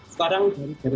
sekarang dari tadi